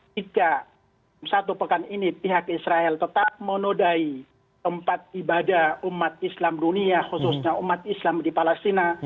jika satu pekan ini pihak israel tetap menodai tempat ibadah umat islam dunia khususnya umat islam di palestina